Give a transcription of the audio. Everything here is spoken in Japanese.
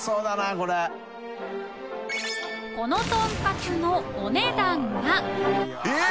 このとんかつのお値段はえっ！？